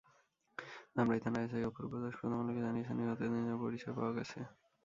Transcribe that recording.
ধামরাই থানার এসআই অপূর্ব দাস প্রথম আলোকে জানিয়েছেন, নিহত তিনজনের পরিচয় পাওয়া গেছে।